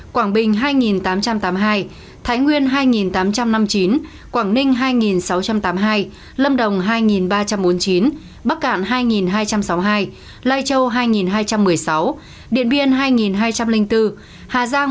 quảng bình hai tám trăm tám mươi hai thái nguyên hai tám trăm năm mươi chín quảng ninh hai sáu trăm tám mươi hai lâm đồng hai ba trăm bốn mươi chín bắc cạn hai hai trăm sáu mươi hai lai châu hai hai trăm một mươi sáu điện biên hai hai trăm linh bốn hà giang một chín trăm tám mươi bảy